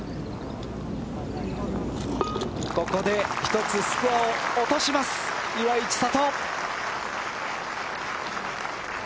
ここで１つスコアを落とします岩井千怜。